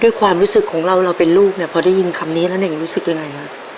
ความรู้สึกของเราเราเป็นลูกเนี่ยพอได้ยินคำนี้แล้วเน่งรู้สึกยังไงฮะ